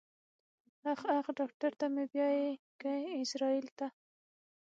اخ اخ ډاکټر ته مې بيايې که ايزرايل ته.